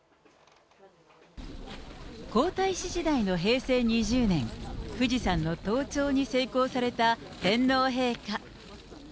皇太子時代の平成２０年、富士山の登頂に成功された天皇陛下。